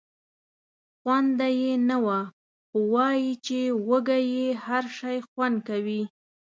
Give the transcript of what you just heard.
خونده یې نه وه خو وایي چې وږی یې هر شی خوند کوي.